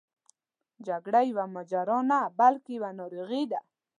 جګړه یوه ماجرا نه بلکې یوه ناروغي ده.